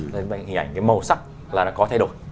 đấy hình ảnh cái màu sắc là nó có thay đổi